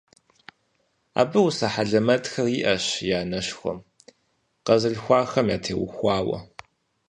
Абы усэ хьэлэмэтхэр иӀэщ и анэшхуэм, къэзылъхуахэм ятеухуауэ.